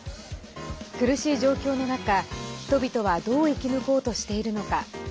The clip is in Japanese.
苦しい状況の中、人々はどう生き抜こうとしているのか。